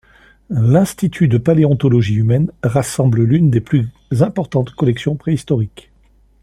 L'Institut de paléontologie humaine rassemble l'une des plus importantes collections préhistoriques.